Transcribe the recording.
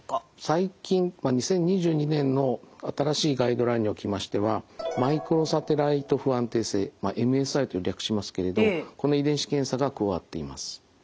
最近まあ２０２２年の新しいガイドラインにおきましてはマイクロサテライト不安定性ＭＳＩと略しますけれどこの遺伝子検査が加わっています。